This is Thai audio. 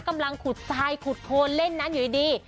กำลังขุดทรายขุดโคนเล่นนั้นอยู่ดี